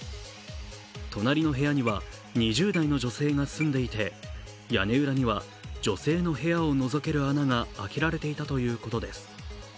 隣の部屋には２０代の女性が住んでいて屋根裏には女性の部屋をのぞける穴が開けられていたということです。